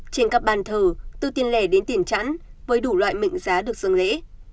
trên các ban thờ từ tiền lẻ đến tiền chẵn với đủ loại mệnh giá được dâng lễ